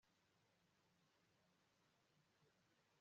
ngo kiworoshye ube umugati mwiza